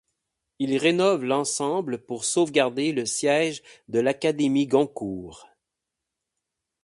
Il rénove l'ensemble pour sauvegarder le siège de l'Académie Goncourt.